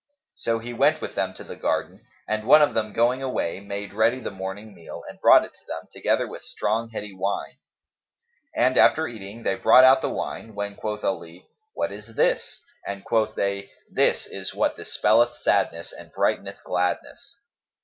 So he went with them to the garden, and one of them, going away, made ready the morning meal and brought it to them, together with strong heady wine; and after eating, they brought out the wine, when quoth Ali, "What is this? and quoth they, "This is what dispelleth sadness and brighteneth gladness.